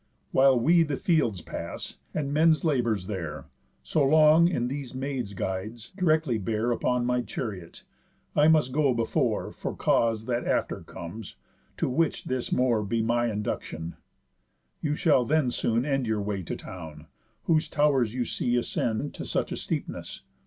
While we the fields pass, and men's labours there, So long, in these maids' guides, directly bear Upon my chariot (I must go before For cause that after comes, to which this more Be my induction) you shall then soon end Your way to town, whose tow'rs you see ascend To such a steepness.